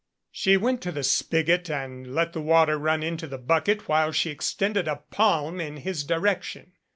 She went to the spigot and let the water run into the bucket, while she extended her palm in his direction.